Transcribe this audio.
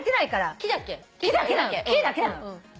木だけなの。